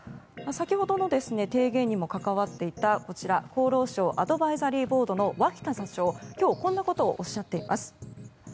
先ほどの提言にも関わっていた厚労省アドバイザリーボードの脇田座長、今日、こんなことをおっしゃっています。